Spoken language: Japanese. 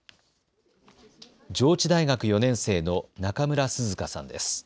上智大学４年生の中村涼香さんです。